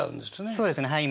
そうですねはい。